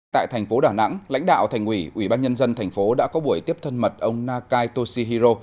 tại thành phố đà nẵng lãnh đạo thành ủy ủy ban nhân dân thành phố đã có buổi tiếp thân mật ông nakai toshihiro